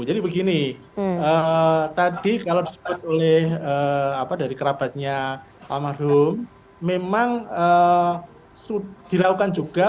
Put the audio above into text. jadi begini tadi kalau disuruh oleh apa dari kerabatnya pak mahdum memang sudirahukan juga